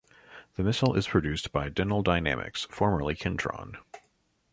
The missile is produced by Denel Dynamics, formerly Kentron.